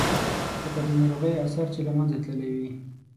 لکه د ناروغۍ آثار چې له منځه تللي وي.